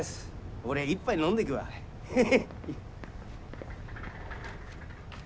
俺一杯飲んでくわヘヘヘッ。